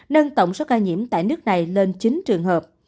nâng tổng số ca nhiễm tại nước này lên chín trường hợp